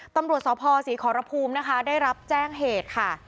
ตำรวจสพศรีขอรภูมินะคะได้รับแจ้งเหตุค่ะ